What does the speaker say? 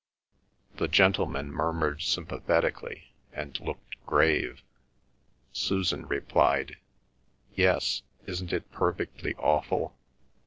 The gentlemen murmured sympathetically, and looked grave. Susan replied, "Yes—isn't it perfectly awful?